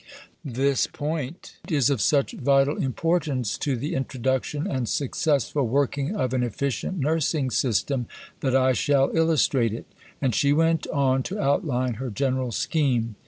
This point is of such vital importance to the introduction and successful working of an efficient nursing system that I shall illustrate it...." And she went on to outline her general scheme.